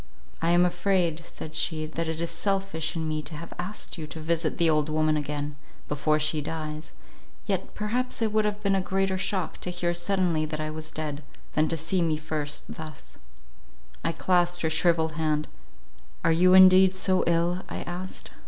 "I am afraid," said she, "that it is selfish in me to have asked you to visit the old woman again, before she dies: yet perhaps it would have been a greater shock to hear suddenly that I was dead, than to see me first thus." I clasped her shrivelled hand: "Are you indeed so ill?" I asked.